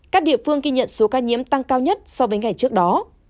các địa phương ghi nhận số ca nhiễm tăng cao nhất so với ngày trước đó